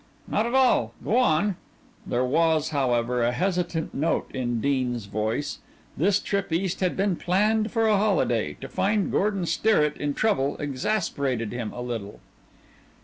"Not at all; go on." There was, however, a hesitant note in Dean's voice. This trip East had been planned for a holiday to find Gordon Sterrett in trouble exasperated him a little.